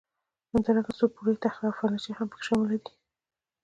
همدارنګه څو پوړه تختې او فرنیچر هم پکې شامل دي.